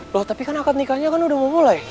loh tapi kan akad nikahnya kan udah mau mulai